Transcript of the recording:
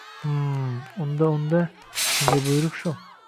— Himm... himm... Unda, unda... senga buyruq shu: